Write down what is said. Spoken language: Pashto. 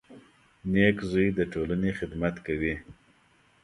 • نېک زوی د ټولنې خدمت کوي.